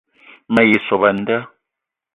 Me ye sop a nda